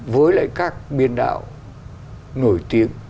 với lại các biên đạo nổi tiếng